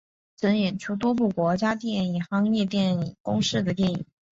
曾演出多部国际电影懋业电影公司的电影。